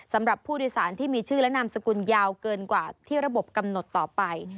สำหรับผู้โดยสารที่มีชื่อและนามสกุลยาวเกินกว่าที่ระบบกำหนดต่อไป